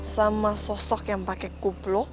sama sosok yang pake kuplok